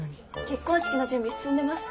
結婚式の準備進んでます？